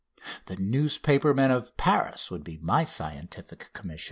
The newspaper men of Paris would be my Scientific Commission.